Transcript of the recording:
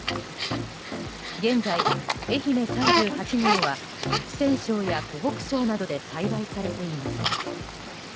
現在、愛媛３８号は四川省や湖北省などで栽培されています。